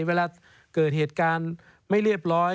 เวลาเกิดเหตุการณ์ไม่เรียบร้อย